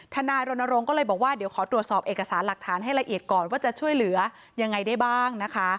ทนายรณรงค์ก็เลยบอกว่าเดี๋ยวขอตรวจสอบเอกสารหลักฐานให้ละเอียดก่อนว่าจะช่วยเหลือยังไงได้บ้างนะคะ